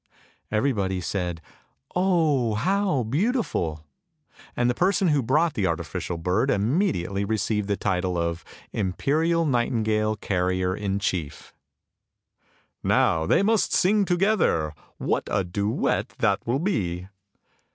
Everybody said, " Oh, how beautiful! " And the person who brought the artificial bird immediately received the title of Imperial Nightingale Carrier in Chief. " Now, they must sing together; what a duet that will be."